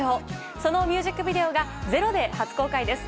そのミュージックビデオが「ｚｅｒｏ」で初公開です。